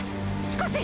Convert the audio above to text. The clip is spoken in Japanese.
少し。